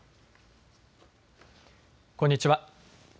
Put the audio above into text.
こんにちは。